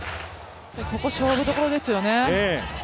ここ勝負どころですよね。